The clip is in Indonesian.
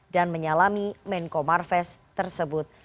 dan menyalami menko marfest tersebut